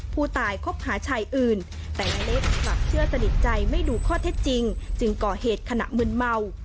คบหาชายอื่นแต่ในเล็กกลับเชื่อสนิทใจไม่ดูข้อเท็จจริงจึงก่อเหตุขณะมืนเมา